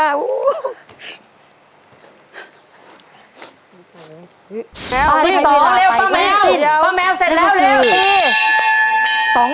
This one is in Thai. ป้าแมวเสร็จแล้วเร็วสิ